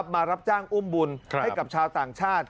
มารับจ้างอุ้มบุญให้กับชาวต่างชาติ